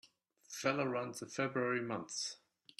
Feller runs the February months.